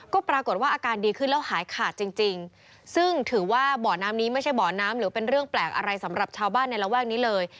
ก็ปรากฏว่าอาการดีขึ้นแล้วหายขาดจริงจริงซึ่งถือว่าบ่อน้ำนี้ไม่ใช่บ่อน้ำหรือเป็นเรื่องแปลกอะไรสำหรับชาวบ้านในระแวกนี้เลย